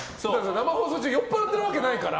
生放送中酔っ払ってるわけないから。